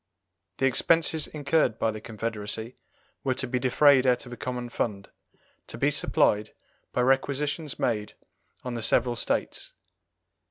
The expenses incurred by the confederacy were to be defrayed out of a common fund, to be supplied by requisitions made on the several States.